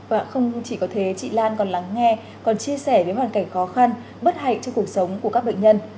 và không chỉ có thế chị lan còn lắng nghe còn chia sẻ những hoàn cảnh khó khăn bất hạnh trong cuộc sống của các bệnh nhân